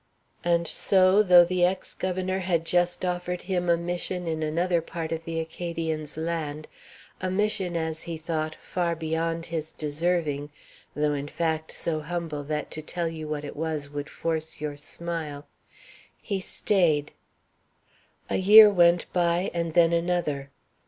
And so though the ex governor had just offered him a mission in another part of the Acadians' land, a mission, as he thought, far beyond his deserving, though, in fact, so humble that to tell you what it was would force your smile he staid. A year went by, and then another.